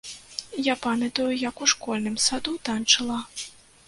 Я памятаю, як я ў школьным саду танчыла.